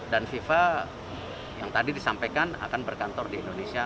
dan viva yang tadi disampaikan akan berkantor di indonesia